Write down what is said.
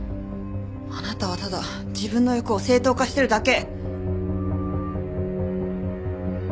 あなたはただ自分の欲を正当化してるだけ。